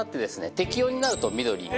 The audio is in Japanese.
適温になると緑に。